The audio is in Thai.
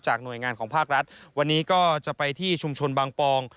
หน่วยงานของภาครัฐวันนี้ก็จะไปที่ชุมชนบางปอง